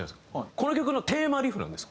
この曲のテーマリフなんですよ